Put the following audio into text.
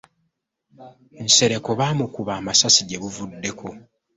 Nsereko baamukuba masasi gye buvuddeko.